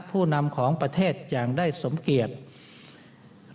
ผู้นำของประเทศอย่างได้สมเกียจ